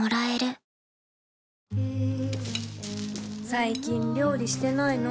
最近料理してないの？